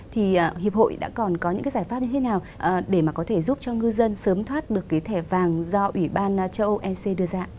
thì hiệp hội đã còn có những cái giải pháp như thế nào để mà có thể giúp cho ngư dân sớm thoát được cái thẻ vàng do ủy ban châu âu ec đưa ra